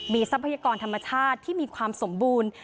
ทรัพยากรธรรมชาติที่มีความสมบูรณ์